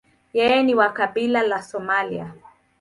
Yeye ni wa kabila la Somalia.